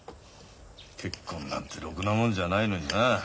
結婚なんてろくなもんじゃないのにな。